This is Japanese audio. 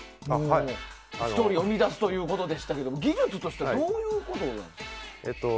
ストーリーを生み出すということでしたが技術としてはどういうことなんですか？